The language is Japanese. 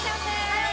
はい！